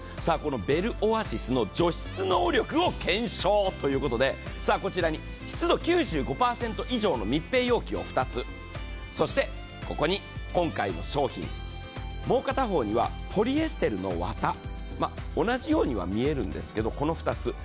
ベルオアシスの除湿能力を検証ということで湿度９５％以上の密閉容器を２つ、そして、ここに今回の商品、もう片方にはポリエステルの綿、同じようには見えるんですけどこの２つ。